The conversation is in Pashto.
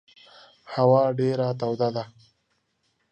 هوا ډېره توده ده.